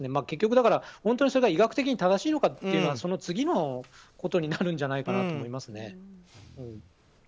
結局、本当にそれが医学的に正しいのかはその次のことになるんじゃないかなと思いますね。